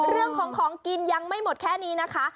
เรื่องของของกินยังไม่หมดแค่นี้นะคะ